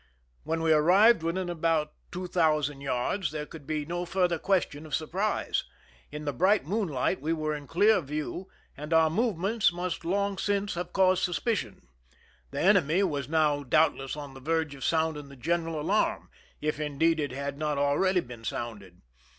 When we arrived within about two thousand yards there could be no further question of surprise. In the bright moonlight we were in clear view, and our movements must long since have caused suspicion. The enemy was now doubtless on the verge of sounding the general alarm, if indeed it had not already been sounded.